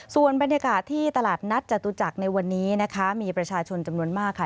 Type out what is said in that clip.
ส่วนบรรยากาศที่ตลาดนัดจตุจักรในวันนี้นะคะมีประชาชนจำนวนมากค่ะ